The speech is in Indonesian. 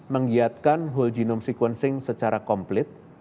menggiatkan whole genome sequencing secara komplit